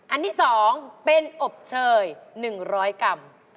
อันที่๒เป็นอบเชย๑๐๐กรัม